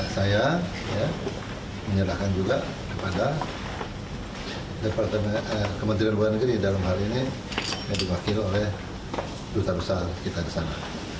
saya menyerahkan juga kepada kementerian luar negeri dalam hal ini yang diwakil oleh duta besar kita di sana